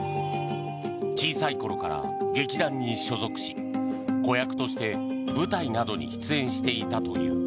小さい頃から劇団に所属し子役として舞台などに出演していたという。